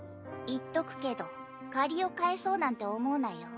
言っとくけど借りを返そうなんて思うなよ。